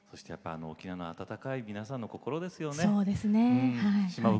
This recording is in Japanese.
沖縄の温かい皆さんの心ですよね。